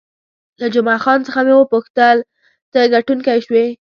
له جمعه خان څخه مې وپوښتل، ته ګټونکی شوې؟